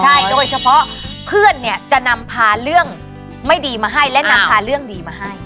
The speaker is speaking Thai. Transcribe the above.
ใช่โดยเฉพาะเพื่อนเนี่ยจะนำพาเรื่องไม่ดีมาให้และนำพาเรื่องดีมาให้